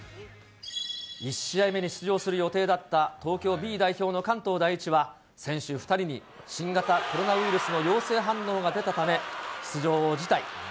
１試合目に出場する予定だった東京Ｂ代表の関東第一は、先週、２人に新型コロナウイルスの陽性反応が出たため、出場を辞退。